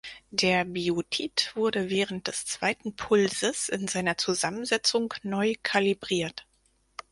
Der Biotit wurde während des zweiten Pulses in seiner Zusammensetzung neu kalibriert.